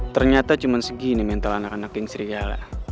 ternyata cuman segini mental anak anak yang seriala